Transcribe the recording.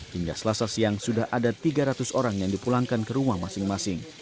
hingga selasa siang sudah ada tiga ratus orang yang dipulangkan ke rumah masing masing